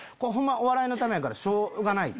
お笑いのためやからしょうがないと。